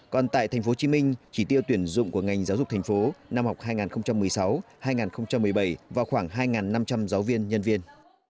còn tại tp hcm chỉ tiêu tuyển dụng của ngành giáo dục thành phố năm học hai nghìn một mươi sáu hai nghìn một mươi bảy vào khoảng hai năm trăm linh giáo viên nhân viên